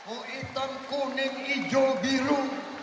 oh hitam kuning hijau biru